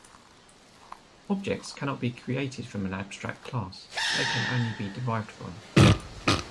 Objects cannot be created from an abstract class; they can only be derived from.